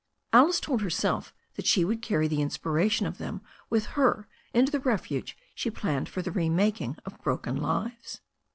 Alice told herself that she would carry the inspiration of them with her into the refuge she planned for the re making of broken lives.